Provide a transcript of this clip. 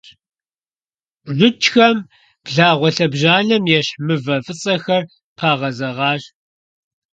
БжыкӀхэм благъуэ лъэбжьанэм ещхь мывэ фӀыцӀэхэр пагъэзэгъащ.